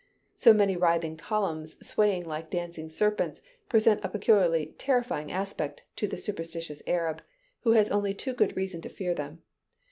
So many writhing columns, swaying like dancing serpents, present a peculiarly terrifying aspect to the superstitious Arab, who has only too good reason to fear them.